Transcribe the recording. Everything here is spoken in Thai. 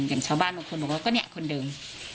อย่างชาวบ้านบางคนบอกว่าก็เนี่ยคนเดิม